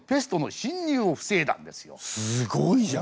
すごいじゃん。